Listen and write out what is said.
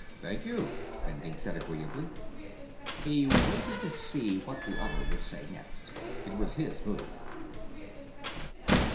"Thank you," Bending said agreeably. He waited to see what the other would say next. It was his move.